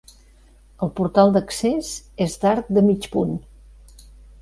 El portal d'accés és d'arc de mig punt.